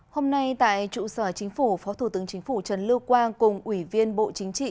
hôm nay tại trụ sở chính phủ phó thủ tướng chính phủ trần lưu quang cùng ủy viên bộ chính trị